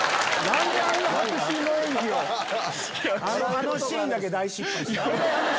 あのシーンだけ大失敗したよな